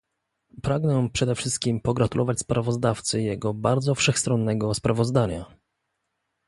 Pragnę przede wszystkim pogratulować sprawozdawcy jego bardzo wszechstronnego sprawozdania